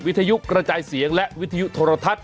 วิทยุกระจายเสียงและวิทยุโทรทัศน